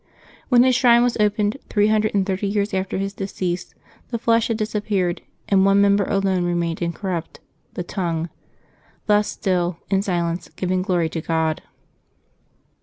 When his shrine was opened, three hundred and thirty years after his decease, the flesh had disappeared, and one member alone remained incorrupt, the tongue; thus still, in silence, giving glory to God.